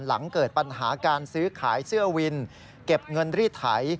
หลังเกิดปัญหาการซื้อขายเสื้อวินเก็บเงินรีดไถ